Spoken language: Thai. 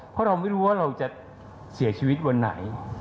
เพราะเราไม่รู้ว่าเราจะเสียชีวิตวันไหน